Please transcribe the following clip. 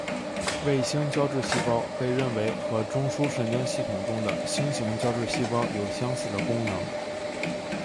卫星胶质细胞被认为和中枢神经系统中的星型胶质细胞有相似的功能。